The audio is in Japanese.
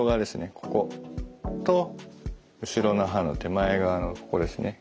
ここと後ろの歯の手前側のここですね。